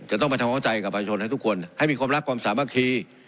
จะต้องไปทำเข้าใจกับประชาชนให้ทุกคนให้มีความรักความสามัคคี